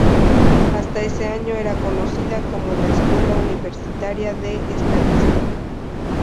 Hasta ese año era conocida como la Escuela Universitaria de Estadística.